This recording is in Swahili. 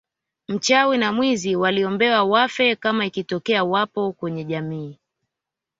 Mchawi na mwizi waliombewa wafe kama ikitokea wapo kwenye jamii